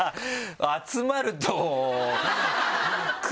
集まると。